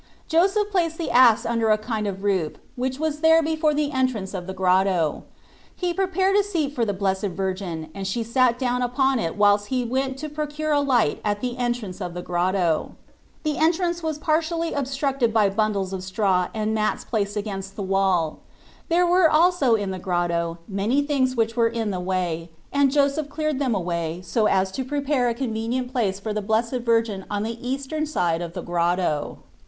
Joseph placed the ass under a kind of roof which there was before the entrance of the grotto : he prepared a. seat for the Blessed Virgin and she sat down upon it whilst he went to procure a light at the entrance of the grotto. The entrance was partially obstructed by bundles of straw and mats placed against the walls. There were also in the grotto many things which were in the way, and Joseph cleared them away XorD Jesus Cbrist. 77 so as to prepare a convenient place for the Blessed Virgin on the eastern side of the grotto.